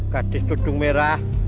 gadis sudung merah